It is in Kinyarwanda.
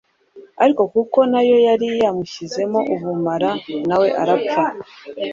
ariko kuko nayo yari yamushyizemo ubumara na we arapfa